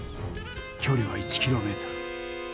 きょりは１キロメートル。